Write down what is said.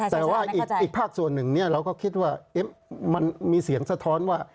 แต่ว่าอีกภาคส่วนหนึ่งเราก็คิดว่ามันมีเสียงสะท้อนว่า